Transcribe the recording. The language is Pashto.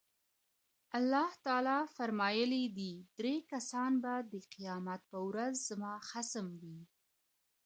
الله تعالی فرمايلي دي، درې کسان به د قيامت په ورځ زما خصم وي